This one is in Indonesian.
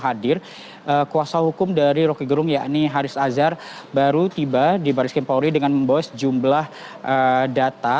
hadir kuasa hukum dari roky gerung yakni haris azhar baru tiba di barres vimpori dengan memboes jumlah data